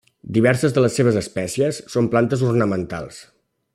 Diverses de les seves espècies són plantes ornamentals.